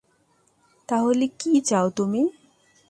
তাহলে কী চাও তুমি?